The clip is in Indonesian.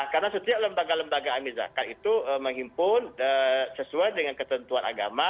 karena setiap lembaga lembaga amir zakat itu menghimpun sesuai dengan ketentuan agama